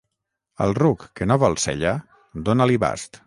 Al ruc que no vol sella, dona-li bast.